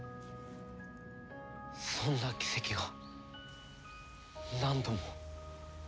そんな奇跡が何度も。